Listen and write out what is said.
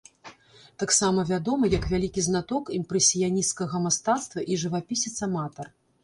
Таксама вядомы як вялікі знаток імпрэсіянісцкага мастацтва і жывапісец-аматар.